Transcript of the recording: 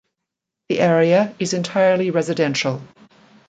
The area is entirely residential.